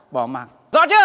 bỏ mặc rõ chưa